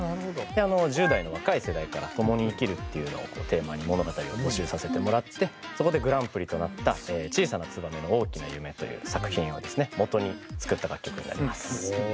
で１０代の若い世代から「ともに生きる」っていうのをテーマに物語を募集させてもらってそこでグランプリとなった「小さなツバメの大きな夢」という作品をもとに作った楽曲になります。